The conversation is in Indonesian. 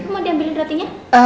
mau diambilin beratinya